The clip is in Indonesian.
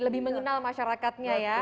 lebih mengenal masyarakatnya ya